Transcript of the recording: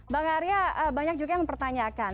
bang arya banyak juga yang mempertanyakan